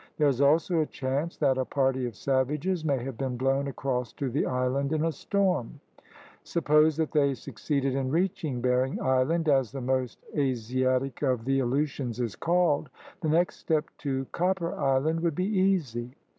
There is also a chance that a party of savages may have been blown across to the island in a storm. Suppose that they succeeded in reaching Bering Island, as the most Asiatic of the Aleutians is called, the next step to Copper Island would be easy.